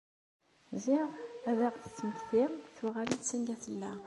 Ziɣ ad aɣ-d-tettmekti tuɣal-d sanga tella.